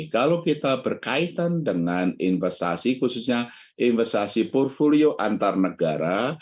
kalau kita berkaitan dengan investasi khususnya investasi portfolio antar negara